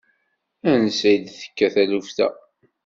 Ansa i d-tekka taluft-a?